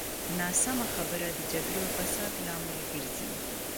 ناسمه خبره د جګړې او فساد لامل ګرځي.